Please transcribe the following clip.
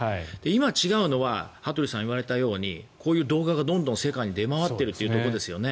今、違うのは羽鳥さんが言われたようにこういう動画がどんどん世界に出回っているというところですよね。